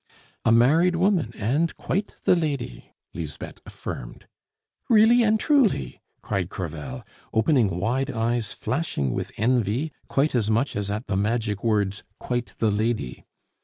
"A married woman, and quite the lady," Lisbeth affirmed. "Really and truly?" cried Crevel, opening wide eyes flashing with envy, quite as much as at the magic words quite the lady.